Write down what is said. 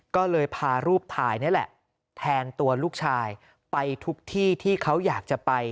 ก็เลยพารูปถ่ายนี่แหละแทนตัวลูกชายไปทุกที่ที่เขาอยากจะไป